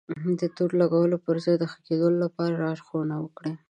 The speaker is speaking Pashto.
د تور لګولو پر ځای د ښه کېدو لپاره لارښونه وکړئ.